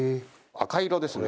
赤色ですね。